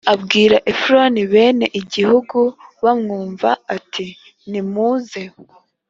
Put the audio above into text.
abwira efuroni bene igihugu bamwumva ati nimuze